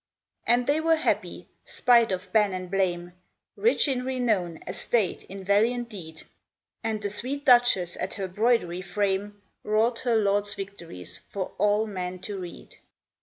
And they were happy, spite of ban and blame, Rich in renown, estate, in valiant deed ; And the sweet Duchess at her broidery frame Wrought her lord's victories for all men to read.